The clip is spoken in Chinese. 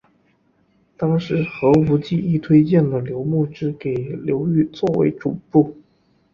当时何无忌亦推荐了刘穆之给刘裕作为主簿。